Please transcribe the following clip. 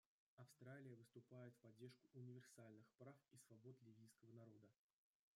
Австралия выступает в поддержку универсальных прав и свобод ливийского народа.